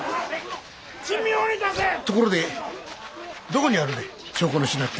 ところでどこにあるんだい？